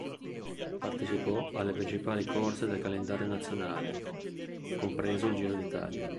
Partecipò alle principali corse del calendario nazionale, compreso il Giro d'Italia.